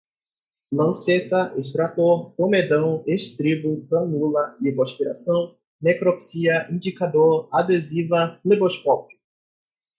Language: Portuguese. lanceta, extrator, comedão, estribo, canula, lipoaspiração, necropsia, indicador, adesiva, fleboscópio